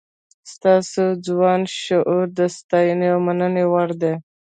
ستاسو ځوان شعور د ستاینې او مننې وړ دی.